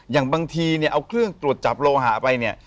อย่างบางทีเนี่ยเอาเครื่องตรวจจับโลหะไปเนี่ย